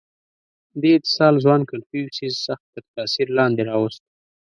• دې اتصال ځوان کنفوسیوس سخت تر تأثیر لاندې راوست.